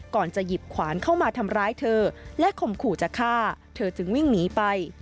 ก่อนจะหยิบขวานเข้ามาทำร้ายเธอและข่มขู่จะฆ่าเธอจึงวิ่งหนีไป